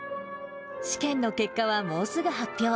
試験の結果はもうすぐ発表。